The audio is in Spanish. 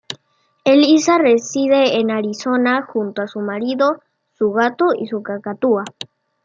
Elissa reside en Arizona, junto a su marido, su gato y su cacatúa.